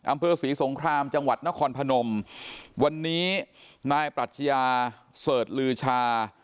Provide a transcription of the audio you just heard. อำเภอศรีสงครามจังหวัดนครพนมวันนี้นายปรัชญาเสิร์ชลือชา